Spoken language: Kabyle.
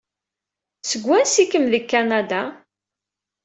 Seg wansi-kem deg Kanada?